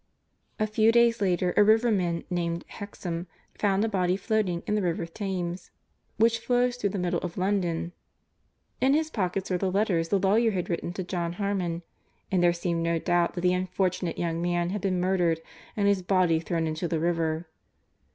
A few days later, a riverman named Hexam found a body floating in the River Thames, which flows through the middle of London. In his pockets were the letters the lawyers had written to John Harmon, and there seemed no doubt that the unfortunate young man had been murdered and his body thrown into the river.